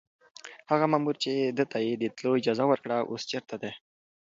هغه مامور چې ده ته يې د تلو اجازه ورکړه اوس چېرته دی؟